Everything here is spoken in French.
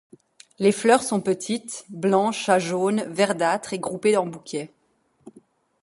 Les fleurs sont petites, blanches à jaune verdâtre et groupées en bouquets.